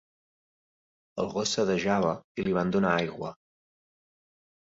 El gos sedejava i li vaig donar aigua.